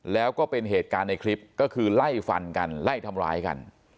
แล้วก็เป็นเหตุการณ์ในคลิปก็คือไล่ฟันกันไล่ทำร้ายกัน